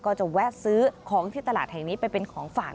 ก็จะแวะซื้อของที่ตลาดแห่งนี้ไปเป็นของฝาก